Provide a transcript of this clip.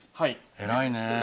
偉いね。